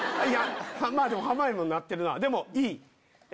まぁでも濱家もなってるなでもいい。